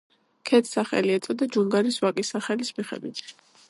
ქედს სახელი ეწოდა ჯუნგარის ვაკის სახელის მიხედვით.